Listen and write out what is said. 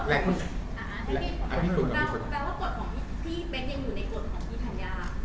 แปลว่ากฎของพี่เบ้นยังอยู่ในกฎของพี่ธัญญา